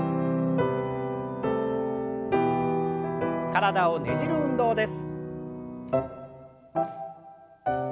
体をねじる運動です。